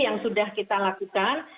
yang sudah kita lakukan